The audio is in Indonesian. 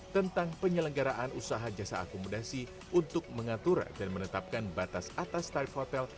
tentang penyelenggaraan usaha jasa akomodasi untuk mengatur dan menetapkan batas atas tarif hotel